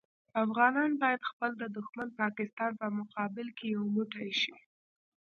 افغانان باید خپل د دوښمن پاکستان په مقابل کې یو موټی شي.